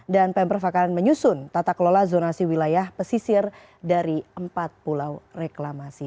dan pemprov akan menyusun tata kelola zonasi wilayah pesisir dari empat pulau reklamasi